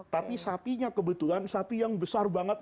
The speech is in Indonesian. tapi sapinya kebetulan sapi yang besar banget